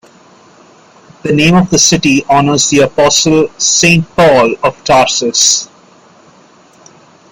The name of the city honors the Apostle, Saint Paul of Tarsus.